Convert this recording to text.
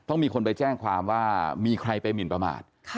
ต้องมีคนไปแจ้งความว่ามีใครมีประมาณ